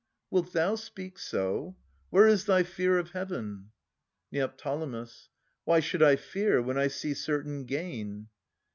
Wilt thou speak so ? Where is thy fear of Heaven ? Neo. Why should I fear, when I see certain gain?